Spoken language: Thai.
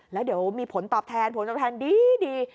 แล้วเดี๋ยวมีผลตอบแทนผลตอบแทนดี